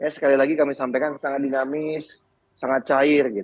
sekali lagi kami sampaikan sangat dinamis sangat cair